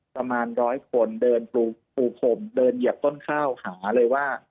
ประมาณร้อยคนเดินปูพรมเดินเหยียบต้นข้าวหาเลยว่า